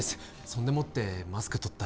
そんでもってマスク取っ